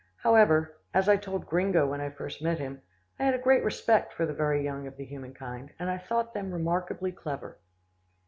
However, as I told Gringo when I first met him, I had a great respect for the very young of the human kind, and I thought them remarkably clever.